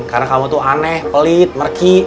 karena kamu tuh aneh pelit merki